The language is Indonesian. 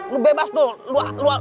lu bebas dulu